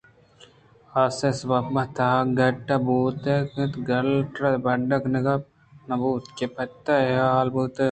آس ءِ سبب ءَ تہاگٹ بوتگ اَت گالٹر بڈّءَ کنگ نہ بوت کہ پت ء ِ اے حال بوت